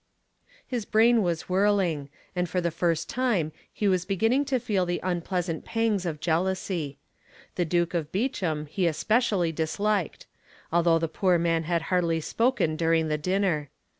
His brain was whirling, and for the first time he was beginning to feel the unpleasant pangs of jealousy. The Duke of Beauchamp he especially disliked, although the poor man had hardly spoken during the dinner.